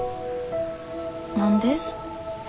何で？